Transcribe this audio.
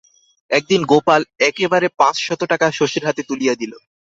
একদিন গোপাল একেবারে পাঁচশত টাকা শশীর হাতে তুলিয়া দিল।